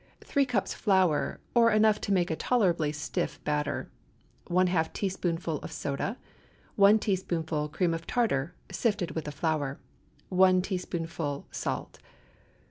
3 cups flour, or enough to make a tolerably stiff batter. ½ teaspoonful of soda. 1 teaspoonful cream tartar, sifted with the flour. 1 teaspoonful salt.